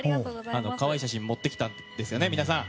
可愛い写真を持ってきたんですよね、皆さん。